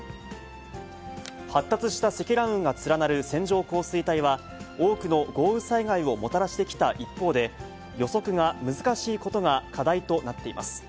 発達した積乱雲が連なる線状降水帯は、多くの豪雨災害をもたらしてきた一方で、予測が難しいことが課題となっています。